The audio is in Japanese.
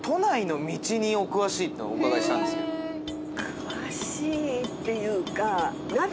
詳しいっていうか。